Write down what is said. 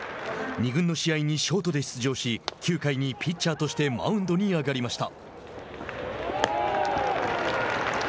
二軍の試合にショートで出場し９回にピッチャーとしてマウンドに上がりました。